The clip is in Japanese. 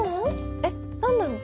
え何だろう？